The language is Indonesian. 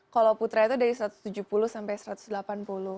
kalau putra itu dari satu ratus tujuh puluh sampai satu ratus delapan puluh